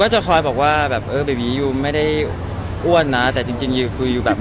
ให้กำลังใจยังไงบ้าง